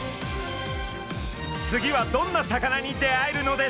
次はどんな魚に出会えるのでしょうか？